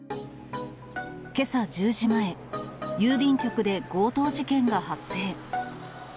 けさ１０時前、郵便局で強盗事件が発生。